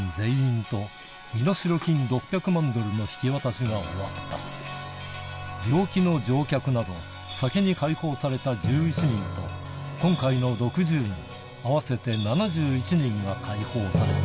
の引き渡しが終わった病気の乗客など先に解放された１１人と今回の６０人合わせて７１人が解放された